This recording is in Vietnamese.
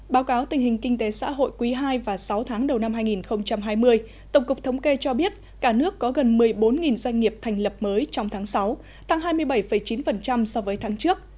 báo cáo tình hình kinh tế xã hội quý ii và sáu tháng đầu năm hai nghìn hai mươi tổng cục thống kê cho biết cả nước có gần một mươi bốn doanh nghiệp thành lập mới trong tháng sáu tăng hai mươi bảy chín so với tháng trước